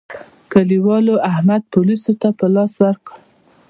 کلیوالو احمد پوليسو ته په لاس ورکړ.